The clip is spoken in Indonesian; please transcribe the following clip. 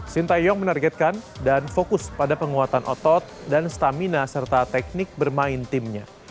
sintayong menargetkan dan fokus pada penguatan otot dan stamina serta teknik bermain timnya